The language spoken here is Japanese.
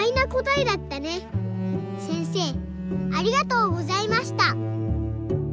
せんせいありがとうございました。